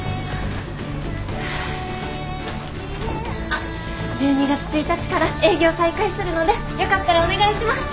あっ１２月１日から営業再開するのでよかったらお願いします。